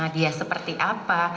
dia seperti apa